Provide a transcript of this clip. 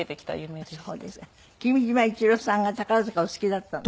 君島一郎さんが宝塚お好きだったの？